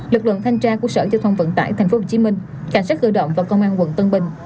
lực lượng thanh tra của sở giao thông vận tải tp hcm cảnh sát cơ động và công an quận tân bình